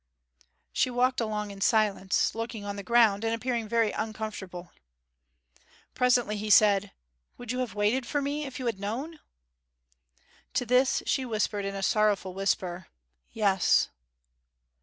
She walked along in silence, looking on the ground, and appearing very uncomfortable. Presently he said, 'Would you have waited for me if you had known?' To this she whispered in a sorrowful whisper, 'Yes!'